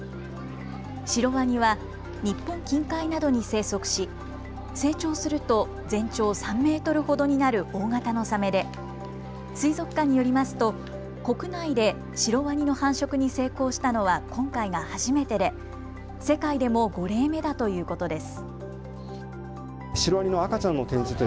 シロワニは日本近海などに生息し成長すると全長３メートルほどになる大型のサメで水族館によりますと国内でシロワニの繁殖に成功したのは今回が初めてで世界でも５例目だということです。